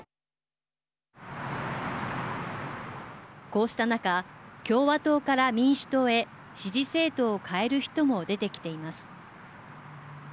こうした中共和党から民主党へ支持政党を変える人も出てきています。